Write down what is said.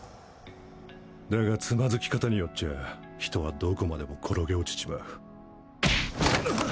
だが躓き方によっちゃ人はどこまでも転げ落ちちまうぐはっ！